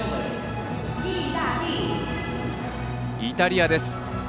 イタリアです。